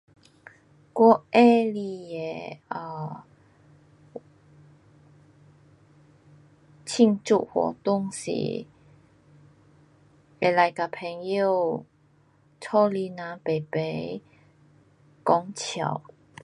我喜欢的 um 庆祝活动是可以跟朋友家里人排排讲笑。